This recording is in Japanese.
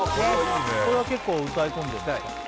これは結構歌いこんでんですか？